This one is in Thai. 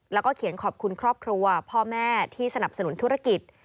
แล้วก็เขียนขอบคุณครอบครัวพ่อแม่ที่สนับสนุนธุรกิจ